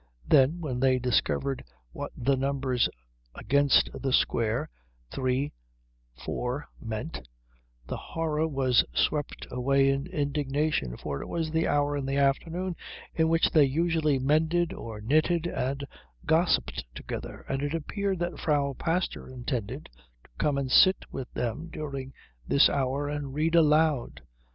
Then, when they discovered what the numbers against the square, 3 4, meant, the horror was swept away in indignation, for it was the hour in the afternoon in which they usually mended or knitted and gossiped together, and it appeared that the Frau Pastor intended to come and sit with them during this hour and read aloud.